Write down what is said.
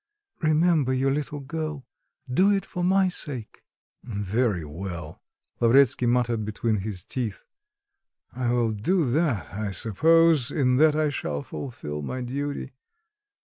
"remember your little girl; do it for my sake." "Very well," Lavretsky muttered between his teeth: "I will do that, I suppose in that I shall fulfill my duty.